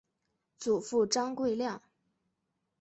祖父张贵谅。